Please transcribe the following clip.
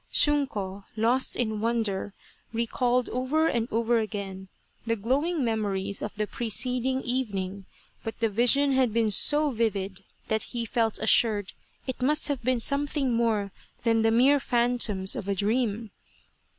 Shunko, lost in wonder, recalled over and over again the glowing memories of the preceding evening, but the vision had been so vivid that he felt assured it must have been something more than the mere phantoms of a dream.